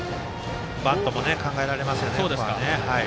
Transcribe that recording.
バントも考えられますよね。